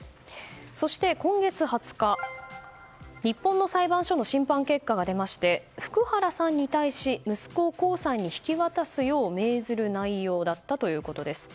そして、今月２０日日本の裁判所の審判結果が出て福原さんに対し、息子を江さんに引き渡すよう命ずる内容だったということです。